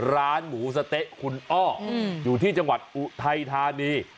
ร้านหมูสะเต๊ะคุณอ้ออยู่ที่จังหวัดอุทัยธานี